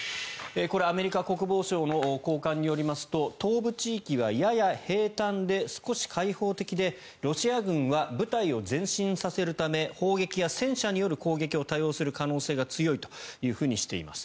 これアメリカ国防省の高官によりますと東部地域はやや平坦で少し開放的でロシア軍は部隊を前進させるため砲撃や戦車による攻撃を多用する可能性が強いとしています。